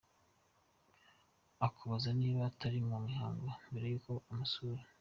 Akubaza niba utari mu mihango mbere y’uko umusura.